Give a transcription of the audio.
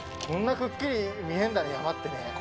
こんなくっきり見えんだね、山ってね。